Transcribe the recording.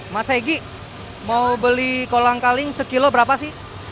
mas egy mau beli kolang kaling sekilo berapa sih